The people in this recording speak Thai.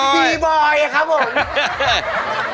พี่บอยครับผม